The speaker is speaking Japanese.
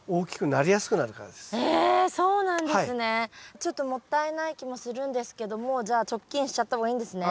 ちょっともったいない気もするんですけどもうじゃあチョッキンしちゃった方がいいんですね。